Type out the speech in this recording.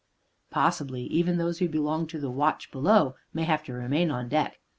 Possibly even those who belong to the "watch below" may have to remain on deck.